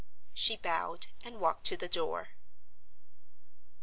She bowed, and walked to the door.